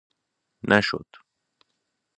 نشد!